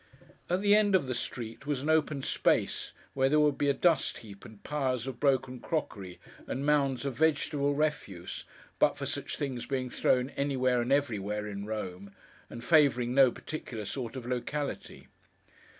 At the end of the street, was an open space, where there would be a dust heap, and piles of broken crockery, and mounds of vegetable refuse, but for such things being thrown anywhere and everywhere in Rome, and favouring no particular sort of locality.